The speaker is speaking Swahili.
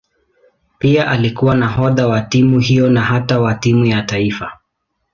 Pia alikuwa nahodha wa timu hiyo na hata wa timu ya taifa.